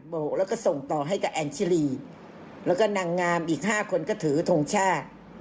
แล้วก็ส่งต่อให้กับแอนชิลีแล้วก็นางงามอีก๕คนก็ถือทงชาติ